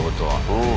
うん。